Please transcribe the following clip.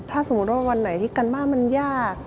ถ้าสมมุติว่าวันไหนที่การบ้านมันยาก